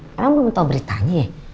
karena belum tau beritanya ya